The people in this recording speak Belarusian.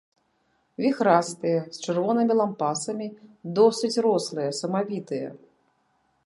Віхрастыя, з чырвонымі лампасамі, досыць рослыя, самавітыя.